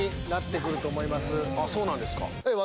あっそうなんですか。